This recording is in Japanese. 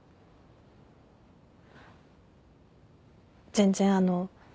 全然あの。